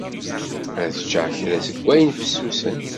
Ad ččeɣ kra seg ayen fessusen.